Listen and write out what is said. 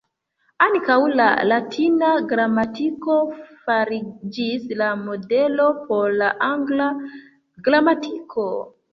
Ankaŭ la latina gramatiko fariĝis la modelo por la angla gramatiko.